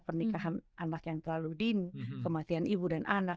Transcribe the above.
pernikahan anak yang terlalu dini kematian ibu dan anak